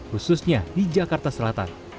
khususnya di jakarta selatan